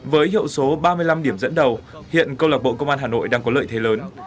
với hiệu số ba mươi năm điểm dẫn đầu hiện công an hà nội đang có lợi thế lớn